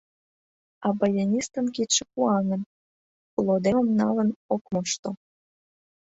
— А баянистын кидше пуаҥын, лодемым налын ок мошто.